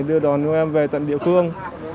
đưa đón chúng em về tận địa phương